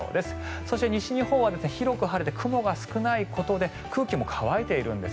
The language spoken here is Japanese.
そして西日本は広く晴れて雲が少ないことで空気も乾いているんです。